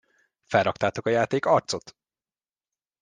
Felraktátok a játék arcot?